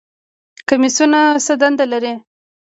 کمیسیونونه څه دنده لري؟